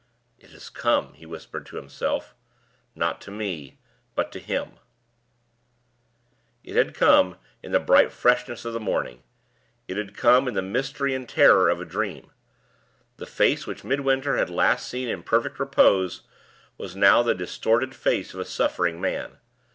"It has come!" he whispered to himself. "Not to me but to him." It had come, in the bright freshness of the morning; it had come, in the mystery and terror of a Dream. The face which Midwinter had last seen in perfect repose was now the distorted face of a suffering man.